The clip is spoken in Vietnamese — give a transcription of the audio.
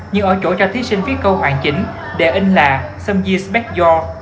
nhưng ở chỗ cho thí sinh viết câu hoàn chỉnh đề in là some years back y all